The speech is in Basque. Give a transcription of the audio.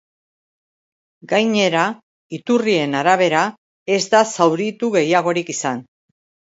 Gainera, iturrien arabera, ez da zauritu gehiagorik izan.